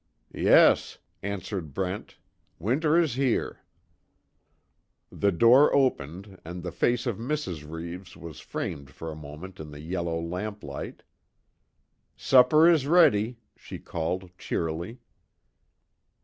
"Yes," answered Brent, "Winter is here." The door opened and the face of Mrs. Reeves was framed for a moment in the yellow lamp light: "Supper is ready!" she called, cheerily.